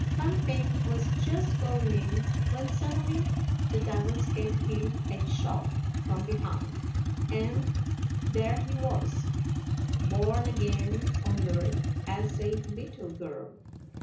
Fang p'ing was just going in, when suddenly the devils gave him a shove from behind, and ... there he was, born again on earth as a little girl.